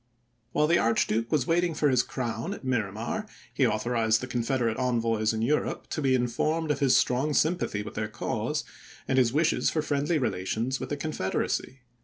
While the Archduke was waiting for his crown at Miramar, he authorized the Confederate envoys in Europe to be informed of his strong sympathy le^amin, with their cause and his wishes for friendly rela ys.'3 con ' tions with the Confederacy.